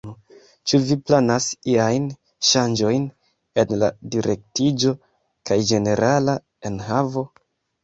Ĉu vi planas iajn ŝanĝojn en la direktiĝo kaj ĝenerala enhavo?